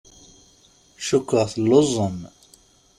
Cukkeɣ telluẓem.